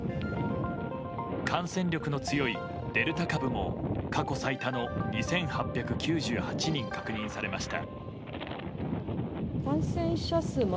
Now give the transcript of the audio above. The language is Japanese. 感染力の強いデルタ株も過去最多の２８９８人確認されました。